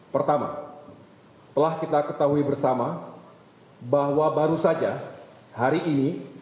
pertama telah kita ketahui bersama bahwa baru saja hari ini